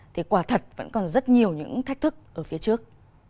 thì quả thật vẫn còn rất nhiều những thách thức ở phía trước